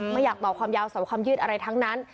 ไม่อยากตอบความยาวเสาความยืดอะไรทั้งนั้น